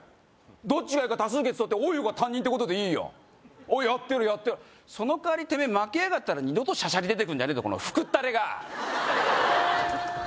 どっちがいいか多数決とって多い方が担任ってことでいいよおうやってやるやってやるその代わりてめえ負けやがったら二度としゃしゃり出てくるんじゃねえぞこの副ったれが！